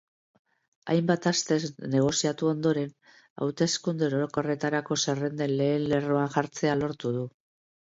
Hainbat astez negoziatu ondoren, hauteskunde orokorretarako zerrenden lehen lerroan jartzea lortu du.